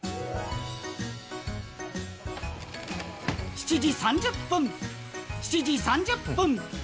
７時３０分、７時３０分。